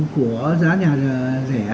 của giá nhà rẻ